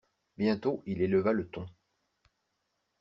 Bientôt il éleva le ton.